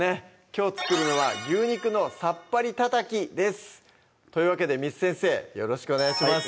きょう作るのは「牛肉のさっぱりたたき」ですというわけで簾先生よろしくお願いします